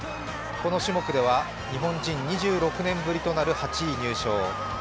この種目では日本人２６年ぶりとなる８位入賞。